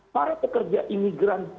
para pekerja imigran